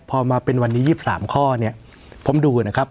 พอมาเป็นวันนี้๒๓ข้อเนี่ยผมดูนะครับ